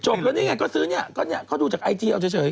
จบแล้วนี่ไงก็ซื้อเนี่ยเขาดูจากไอทีเอาเฉย